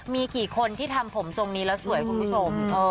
มีกี่คนที่ทำผมทรงนี้แล้วสวยคุณผู้ชม